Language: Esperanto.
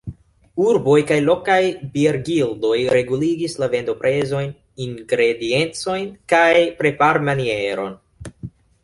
Urboj kaj lokaj biergildoj reguligis la vendoprezojn, ingrediencojn kaj preparmanieron.